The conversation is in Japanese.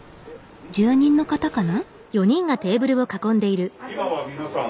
住人の方かな？